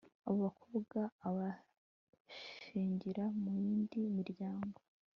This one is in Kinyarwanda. abo bakobwa abashyingira mu yindi miryango